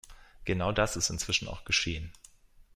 Genau das ist inzwischen auch geschehen.